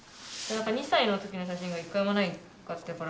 ２歳の時の写真が１枚もなかったから。